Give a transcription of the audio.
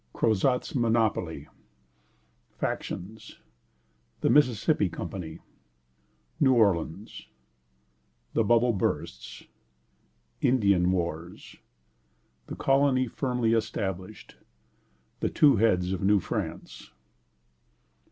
Crozat's Monopoly. Factions. The Mississippi Company. New Orleans. The Bubble bursts. Indian Wars. The Colony firmly established. The two Heads of New France.